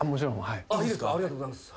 ありがとうございます。